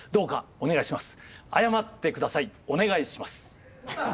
お願いします。